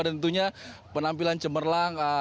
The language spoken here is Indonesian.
dan tentunya penampilan cemerlang